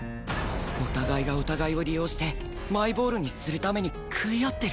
お互いがお互いを利用してマイボールにするために喰い合ってる？